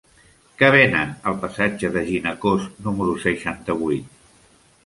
Què venen al passatge de Ginecòs número seixanta-vuit?